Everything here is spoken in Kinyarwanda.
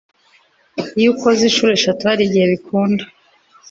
iyo ukoze Inshuro eshatu harigihe bikunda